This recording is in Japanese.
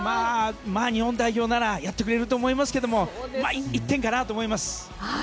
日本代表ならやってくれると思いますけど１点かなと思います。